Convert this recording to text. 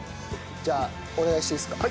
じゃあお願いしていいですか？